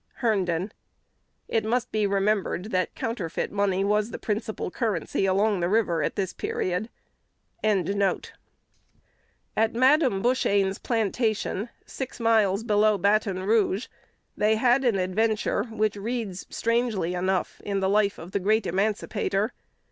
Herndon. It must be remembered that counterfeit money was the principal currency along the river at this period. At Madame Bushane's plantation, six miles below Baton Rouge, they had an adventure, which reads strangely enough in the life of the great emancipator.